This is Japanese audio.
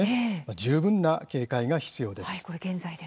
十分な警戒が必要です。